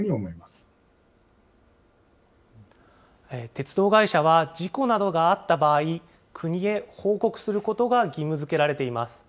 鉄道会社は、事故などがあった場合、国へ報告することが義務づけられています。